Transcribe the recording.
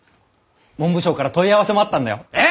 文部省から問い合わせもあったんだよ！